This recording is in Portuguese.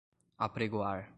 apregoar